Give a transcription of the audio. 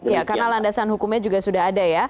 ya karena landasan hukumnya juga sudah ada ya